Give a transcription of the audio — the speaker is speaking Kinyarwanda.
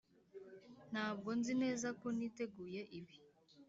ntabwo nzi neza ko niteguye ibi.